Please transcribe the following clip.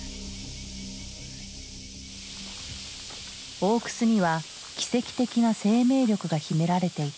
大くすには奇跡的な生命力が秘められていた。